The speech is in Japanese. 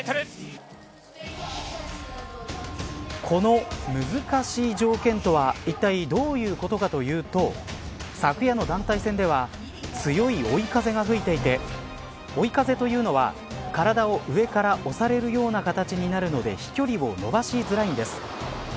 この難しい条件とはいったいどういうことかというと昨夜の団体戦では強い追い風が吹いていて追い風というのは体を上から押されるような形になるので飛距離を伸ばしづらいんです。